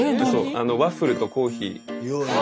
ワッフルとコーヒー。